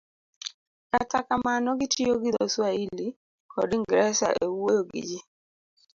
to kata kamano gitiyo gi dho Swahili kod Ingresa e wuoyo gi ji.